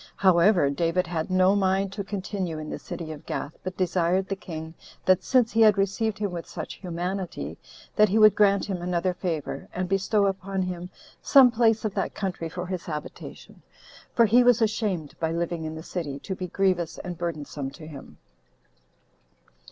However, David had no mind to continue in the city of Gath, but desired the king, that since he had received him with such humanity, that he would grant him another favor, and bestow upon him some place of that country for his habitation, for he was ashamed, by living in the city, to be grievous and burdensome to him.